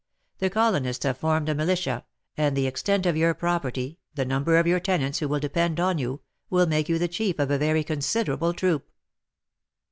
The colonists have formed a militia, and the extent of your property, the number of your tenants who will depend on you, will make you the chief of a very considerable troop.